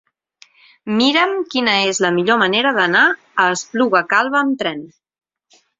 Mira'm quina és la millor manera d'anar a l'Espluga Calba amb tren.